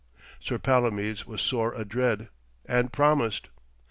Sir Palomides was sore adread, and promised.